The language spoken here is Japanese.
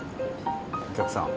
お客さん。